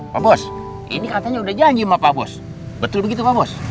pak bos ini katanya udah janji sama pak bos betul begitu pak bos